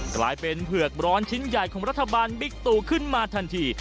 กลายเป็นเผือกร้อนชิ้นใหญ่ของรัฐบาลบิ๊กตูขึ้นมาทันที